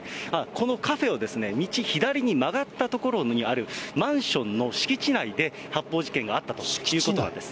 このカフェを道左に曲がった所にあるマンションの敷地内で、発砲事件があったということです。